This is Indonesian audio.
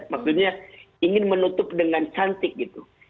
maksudnya ingin menutup dengan cantik gitu